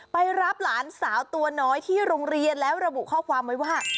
ไปรับหลานสาวตัวน้อยที่โรงเรียนแล้วระบุข้อความไว้ว่า